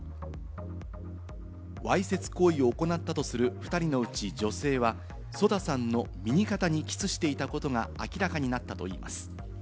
わいせつ行為を行ったとする２人のうち女性は、ＳＯＤＡさんの右肩にキスしていたことが明らかになったといいます。